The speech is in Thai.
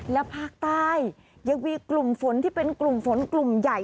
และภาคใต้ยังมีกลุ่มฝนที่เป็นกลุ่มฝนกลุ่มใหญ่